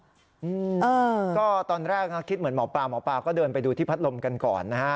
อืมเออก็ตอนแรกนะคิดเหมือนหมอปลาหมอปลาก็เดินไปดูที่พัดลมกันก่อนนะฮะ